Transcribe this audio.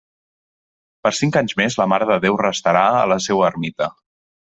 Per cinc anys més la Mare de Déu restarà a la seua Ermita.